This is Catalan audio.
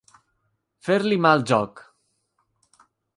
Fer-li mal joc.